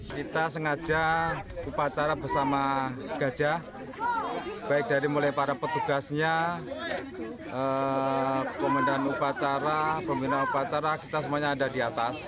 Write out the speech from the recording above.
kita sengaja upacara bersama gajah baik dari mulai para petugasnya komandan upacara pembina upacara kita semuanya ada di atas